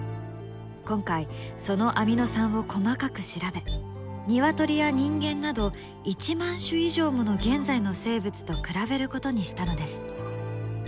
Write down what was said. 今回そのアミノ酸を細かく調べニワトリや人間など１万種以上もの現在の生物と比べることにしたのです。